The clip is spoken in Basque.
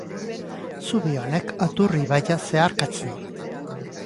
Zubi honek Aturri ibaia zeharkatzen du.